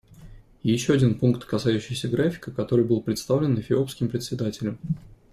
И еще один пункт, касающийся графика, который был представлен эфиопским Председателем.